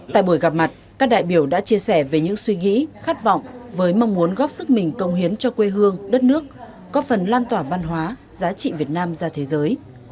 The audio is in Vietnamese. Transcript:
tại buổi gặp mặt các đại biểu đã chia sẻ về những suy nghĩ khát vọng với mong muốn góp sức mình công hiến cho quê hương đất nước có phần lan tỏa văn hóa giá trị việt nam ra thế giới